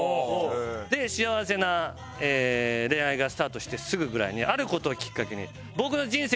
で幸せな恋愛がスタートしてすぐぐらいにある事をきっかけに。